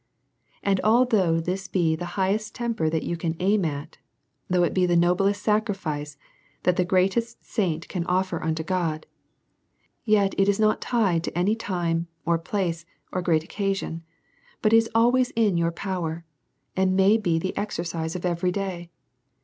And although this be the highest temper that you can aim at, though it be the noblest sacrifice that the greatest saint can offer unto God, yet it is not tied to any time, or place, or great occasion, but is always in your power, and may be the exercise of every day.